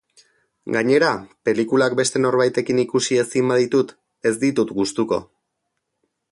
Gainera, pelikulak beste norbaitekin ikusi ezin baditut, ez ditut gustuko.